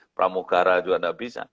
pramugara juga nggak bisa